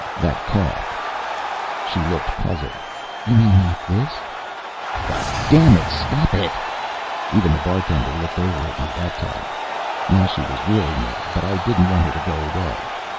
"That cough." She looked puzzled. "You mean like this?" "Goddam it, stop it!" Even the bartender looked over at me that time. Now she was really mad, but I didn't want her to go away.